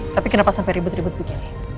tapi kenapa sampai ribut ribut begini